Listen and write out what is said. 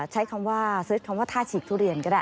ใช้คำว่าเสิร์ชคำว่าท่าฉีกทุเรียนก็ได้